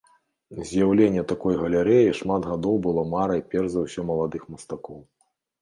З'яўленне такой галерэі шмат гадоў было марай перш за ўсё маладых мастакоў.